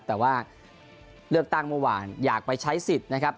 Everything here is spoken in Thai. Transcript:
แต่ว่าเลือกตั้งเมื่อวานอยากไปใช้สิทธิ์นะครับ